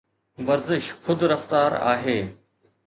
ورزش خود رفتار آهي